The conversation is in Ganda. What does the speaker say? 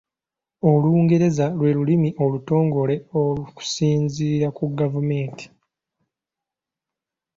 Olungereza lwe lulimi olutongole okusinzira ku gavumenti.